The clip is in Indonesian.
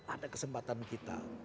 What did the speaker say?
ada kesempatan kita